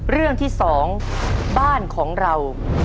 เรื่องที่๒บ้านของเรา